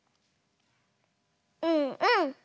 うんうん。